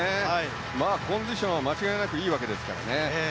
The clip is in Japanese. コンディションは間違いなくいいわけですからね。